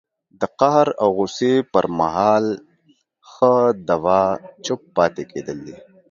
د قهر او غوسې پر مهال ښه دوا چپ پاتې کېدل دي